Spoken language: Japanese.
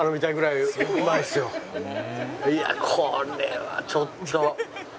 いやこれはちょっと。